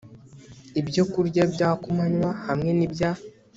Ibyokurya bya kumanywa hamwe nibya